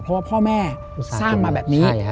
เพราะว่าพ่อแม่สร้างมาแบบนี้